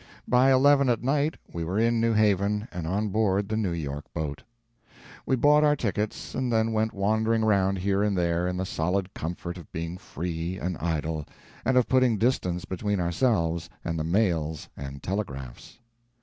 By eleven at night we were in New Haven and on board the New York boat. We bought our tickets, and then went wandering around here and there, in the solid comfort of being free and idle, and of putting distance between ourselves and the mails and telegraphs.